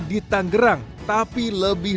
di tanggerang tapi lebih